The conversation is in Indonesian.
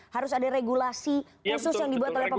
harus ada regulasi khusus yang dibuat oleh pemerintah